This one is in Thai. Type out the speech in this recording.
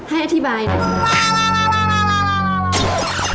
ให้อธิบายนะครับ